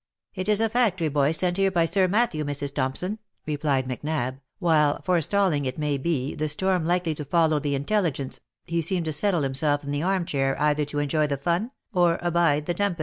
"*' It is a factory boy sent here by Sir Matthew, Mrs. Thompson," replied Macnab, while, forestalling, it may be, the storm likely to follow the intelligence, he seemed to settle himself in the arm chair either to enjoy the fun, or abide the tempest.